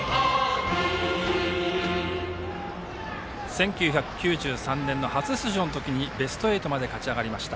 １９９３年の初出場の時にベスト８まで勝ち上がりました。